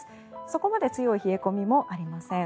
そこまで強い冷え込みもありません。